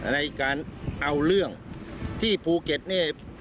ในการเอาเรื่องที่ภูเก็ตเนี่ย